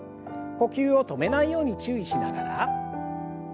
呼吸を止めないように注意しながら。